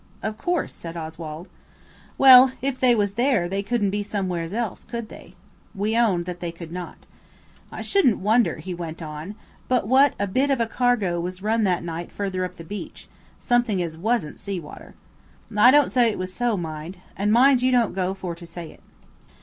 "Of course," said Oswald. "Well, if they was there they couldn't be somewheres else, could they?" We owned they could not. "I shouldn't wonder," he went on, "but what a bit of a cargo was run that night further up the beach: something as wasn't sea water. I don't say it was so, mind–and mind you don't go for to say it."